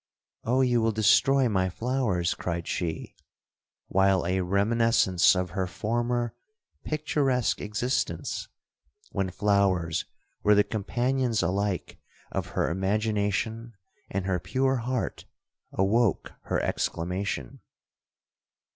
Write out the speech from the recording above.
'Oh you will destroy my flowers!' cried she, while a reminiscence of her former picturesque existence, when flowers were the companions alike of her imagination and her pure heart, awoke her exclamation.